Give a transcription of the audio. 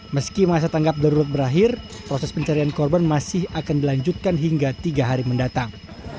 meski masa tanggap darurat berakhir proses pencarian korban masih akan dilanjutkan hingga tiga hari mendatang